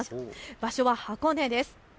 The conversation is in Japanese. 場所は箱根です。